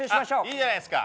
いいじゃないですか。